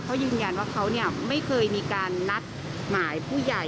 เขายืนยันว่าเขาไม่เคยมีการนัดหมายผู้ใหญ่